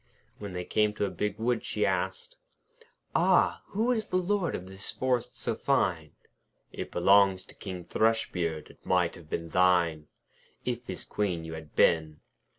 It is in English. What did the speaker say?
When they came to a big wood, she asked: 'Ah! who is the Lord of this forest so fine?' 'It belongs to King Thrushbeard. It might have been thine, If his Queen you had been.'